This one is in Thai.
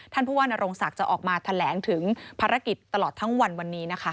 ท่านผู้ว่านโรงศักดิ์จะออกมาแถลงถึงภารกิจตลอดทั้งวันวันนี้นะคะ